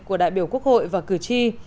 của đại biểu quốc hội và cử tri